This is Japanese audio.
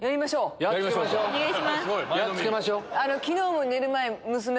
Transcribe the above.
やっつけましょ！